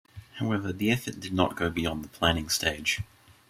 However, the effort did not go beyond the planning stage.